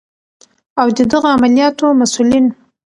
او د دغه عملیاتو مسؤلین